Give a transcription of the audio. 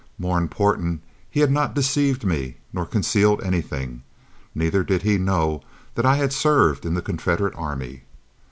More important, he had not deceived me nor concealed anything; neither did he know that I had served in the Confederate army.